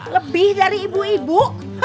lebih dari ibu ibu